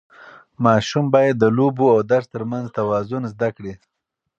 ماشوم باید د لوبو او درس ترمنځ توازن زده کړي.